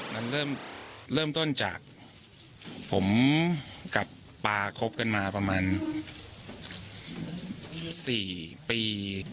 มันเริ่มต้นจากผมกับปลาคบกันมาประมาณ๔ปี